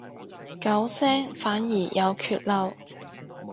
九聲反而有缺漏